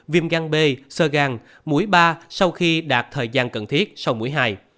viêm gan b sơ gan mũi ba sau khi đạt thời gian cần thiết sau mũi hai